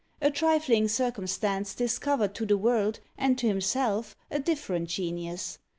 A trifling circumstance discovered to the world and to himself a different genius.